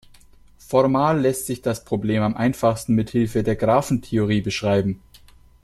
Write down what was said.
Formal lässt sich das Problem am einfachsten mit Hilfe der Graphentheorie beschreiben.